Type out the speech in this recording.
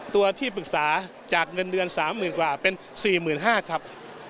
ตัวที่ปรึกษาจากเงินเดือน๓หมื่นกว่าเป็น๔หมื่น๕ครับ